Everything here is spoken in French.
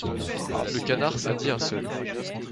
Le Canard, ça dit un seul.